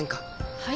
はい？